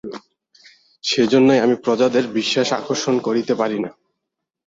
সেইজন্যই আমি প্রজাদের বিশ্বাস আকর্ষণ করিতে পারি না।